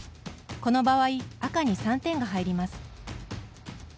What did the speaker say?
この場合、赤に３点が入ります。